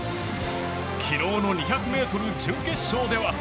昨日の２００ｍ準決勝では。